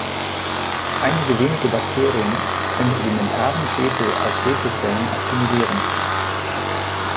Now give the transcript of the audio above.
Einige wenige Bakterien können elementaren Schwefel aus Schwefelquellen assimilieren.